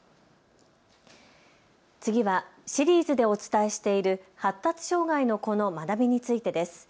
次はシリーズでお伝えしている発達障害の子の学びについてです。